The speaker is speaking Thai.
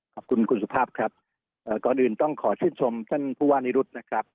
ขอบคุณคุณสุภาพครับก่อนอื่นต้องขอชื่นชมท่านผู้ว่านิรุธนะครับ